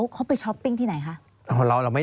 เขาไปช้อปปิ้งที่ไหนคะ